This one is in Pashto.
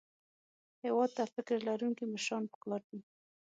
هېواد ته فکر لرونکي مشران پکار دي